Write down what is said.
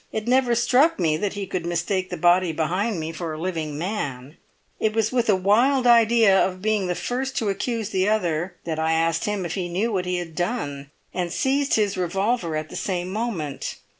It never struck me that he could mistake the body behind me for a living man; it was with a wild idea of being the first to accuse the other, that I asked him if he knew what he had done, and seized his revolver at the same moment.